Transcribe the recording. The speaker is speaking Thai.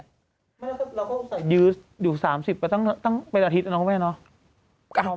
อยู่สามสิบตั้งเป็นอาทิตย์น้องเว้ยเนอะ